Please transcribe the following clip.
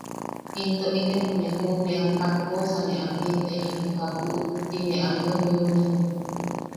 “¡into inepo ne juʼunea jakkosa ne am jinne into jakuʼu!” tine ameu jiune.